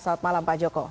selamat malam pak joko